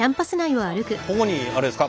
ここにあれですか？